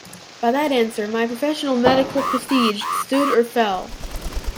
By that answer my professional medical prestige stood or fell.